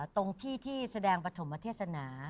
ตรงที่ที่แสดงประถมมาเทียสนา